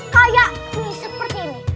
kayak nih seperti ini